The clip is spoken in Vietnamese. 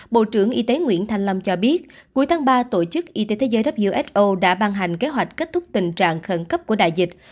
bộ trưởng y tế nguyễn thanh lâm cho biết cuối tháng ba tổ chức y tế thế giới who đã ban hành kế hoạch kết thúc tình trạng khẩn cấp của đại dịch